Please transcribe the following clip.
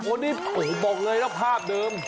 โอ้นี่โอ้บอกเลยนะภาพเดิม